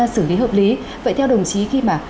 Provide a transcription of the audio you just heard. xử lý hợp lý vậy theo đồng chí khi mà